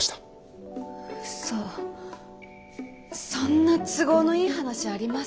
うそそんな都合のいい話あります？